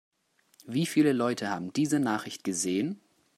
Wie viele Leute haben diese Nachricht gesehen?